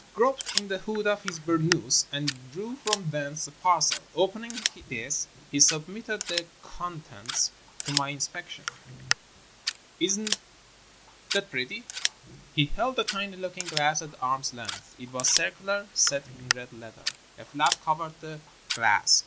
He groped in the hood of his burnous, and drew from thence a parcel. Opening this, he submitted the con tents to my inspection. "Is n't that pretty?" — He held a tiny looking glass at arm's length. It was circular — set in red leather; — a flap covered the glass.